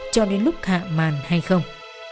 cho đến lúc hạ màn hay không